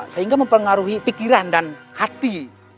sehingga mempengaruhi pikiran dan hati